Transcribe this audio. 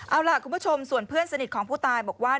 เอาล่ะคุณผู้ชมส่วนเพื่อนสนิทของผู้ตายบอกว่า